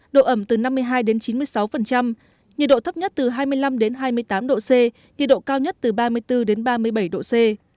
độ ẩm từ năm mươi hai đến chín mươi sáu nhiệt độ thấp nhất từ hai mươi năm hai mươi tám độ c nhiệt độ cao nhất từ ba mươi bốn đến ba mươi bảy độ c